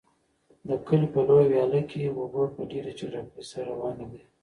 د کلي په لویه ویاله کې اوبه په ډېرې چټکۍ سره روانې دي.